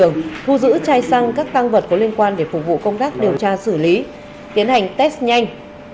công an phường thu giữ chai xăng các tăng vật có liên quan để phục vụ công tác điều tra xử lý tiến hành test nhanh